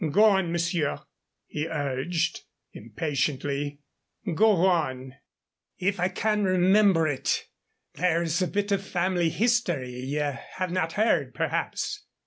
"Go on, monsieur," he urged, impatiently "go on." "If I can remember it, there's a bit of family history ye have not heard, perhaps.